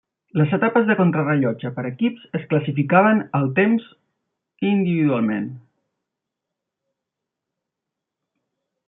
Les etapes de Contrarellotge per equips es classificaven el temps individualment.